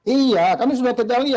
iya kami sudah ketahui